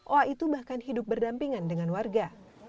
oa itu bahkan hidup berdampingan dengan warga